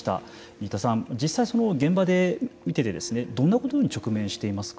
新田さん、実際現場で見ててどんなことに直面していますか。